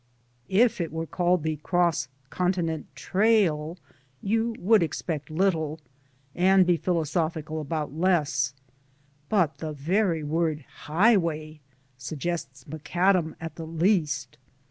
If it were called the cross continent trail you would expect little, and be philosophical about less, but the very word '* highway*' suggests macadam at the least.